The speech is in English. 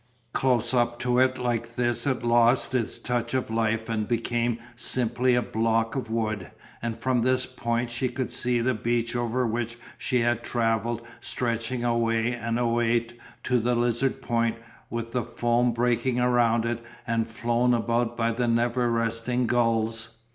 Close up to it like this it lost its touch of life and became simply a block of wood, and from this point she could see the beach over which she had travelled stretching away and away to the Lizard Point with the foam breaking around it and flown about by the never resting gulls.